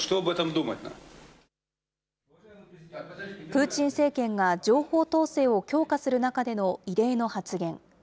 プーチン政権が情報統制を強化する中での異例の発言。